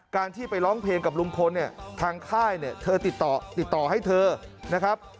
การที่ไปร้องเพลงกับลุงพลเนี่ยทางค่ายเนี่ยเธอติดต่อติดต่อให้เธอนะครับ